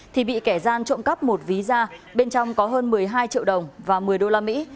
thì bị kẻ gian trộm cắp một ví da bên trong có hơn một mươi hai triệu đồng và một mươi đô la mỹ